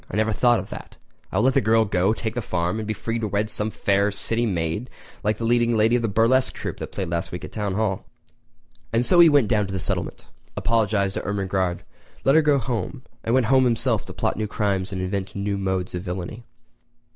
I never thought of that! I will let the girl go, take the farm, and be free to wed some fair city maid like the leading lady of that burlesque troupe which played last week at the Town Hall!" And so he went down to the settlement, apologised to Ermengarde, let her go home, and went home himself to plot new crimes and invent new modes of villainy.